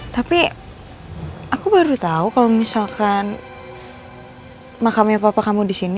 tapi aku baru tahu kalau misalkan makamnya papa kamu di sini